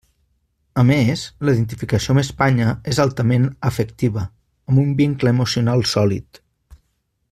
A més, la identificació amb Espanya és altament afectiva, amb un vincle emocional sòlid.